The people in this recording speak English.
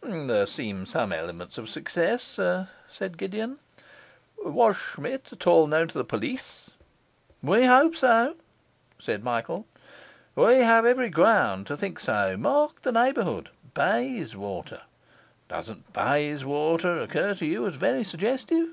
'There seem some elements of success,' said Gideon. 'Was Schmidt at all known to the police?' 'We hope so,' said Michael. 'We have every ground to think so. Mark the neighbourhood Bayswater! Doesn't Bayswater occur to you as very suggestive?